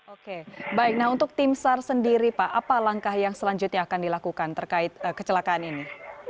oke baik nah untuk tim sar sendiri pak apa langkah yang selanjutnya akan dilakukan terkait kecelakaan ini